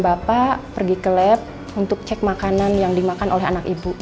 bapak pergi ke lab untuk cek makanan yang dimakan oleh anak ibu